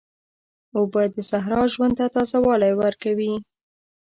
اوبه د صحرا ژوند ته تازه والی ورکوي.